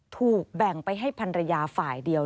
ถูกแบ่งไปให้พันรยาฝ่ายเดียว